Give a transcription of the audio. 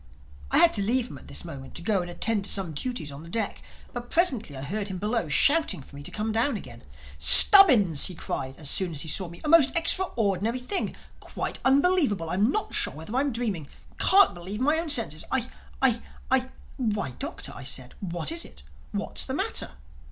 I had to leave him at this moment to go and attend to some duties on the deck. But presently I heard him below shouting for me to come down again. "Stubbins," he cried as soon as he saw me—"a most extraordinary thing—Quite unbelievable—I'm not sure whether I'm dreaming—Can't believe my own senses. I—I—I—" [Illustration: "'He talks English!'"] "Why, Doctor," I said, "what is it?—What's the matter?"